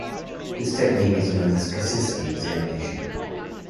This technique is known as Kasiski examination.